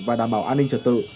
và đảm bảo an ninh trật tự